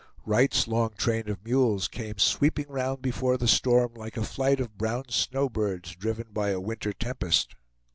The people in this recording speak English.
Wright's long train of mules came sweeping round before the storm like a flight of brown snowbirds driven by a winter tempest.